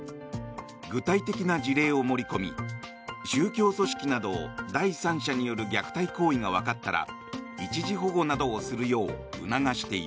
具体的な事例を盛り込み宗教組織など第三者による虐待行為がわかったら一時保護などをするよう促している。